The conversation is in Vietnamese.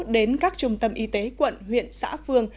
đến các trung tâm y tế quận huyện xã phường